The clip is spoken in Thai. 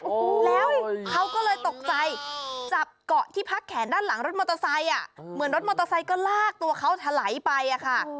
โอ้โหแล้วเขาก็เลยตกใจจับเกาะที่พักแขนด้านหลังรถมอเตอร์ไซค์อ่ะเหมือนรถมอเตอร์ไซค์ก็ลากตัวเขาถลายไปอะค่ะ